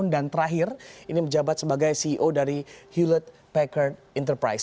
dan terakhir ini menjabat sebagai ceo dari hewlett packard enterprise